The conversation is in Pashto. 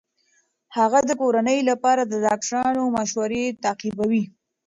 هغه د کورنۍ لپاره د ډاکټرانو مشورې تعقیبوي.